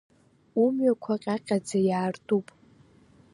Умҩақәа ҟьаҟьаӡа иаартуп.